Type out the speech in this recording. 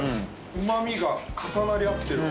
うま味が重なり合ってるわ。